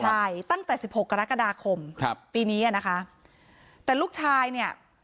ใช่ตั้งแต่สิบหกกรกฎาคมครับปีนี้อ่ะนะคะแต่ลูกชายเนี่ย